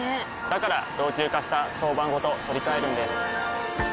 から老朽化した床版ごと取り替えるんです。